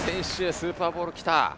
スーパーボールきた。